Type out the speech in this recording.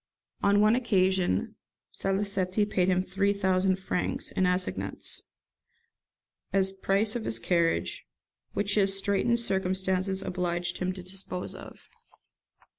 On one occasion Salicetti paid him three thousand francs, in assignats, as the price of his carriage, which his straitened circumstances obliged him to dispose of.